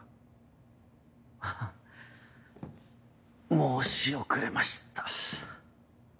申し遅れました。